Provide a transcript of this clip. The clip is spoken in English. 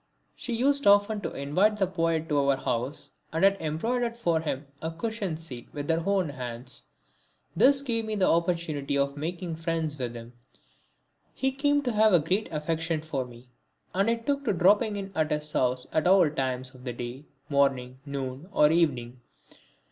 She used often to invite the poet to our house and had embroidered for him a cushion seat with her own hands. This gave me the opportunity of making friends with him. He came to have a great affection for me, and I took to dropping in at his house at all times of the day, morning, noon or evening.